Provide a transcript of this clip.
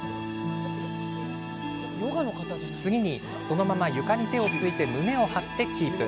次に、そのまま床に手をついて胸を張ってキープ。